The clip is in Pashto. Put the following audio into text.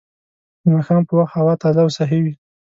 د ماښام په وخت هوا تازه او صحي وي